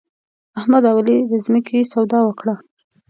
احمد او علي د ځمکې سودا وکړه.